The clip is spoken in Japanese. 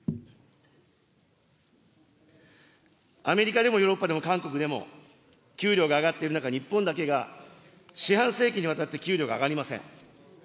アメリカでもヨーロッパでも韓国でも、給料が上がっている中、日本だけが四半世紀にわたって給料が上がりません。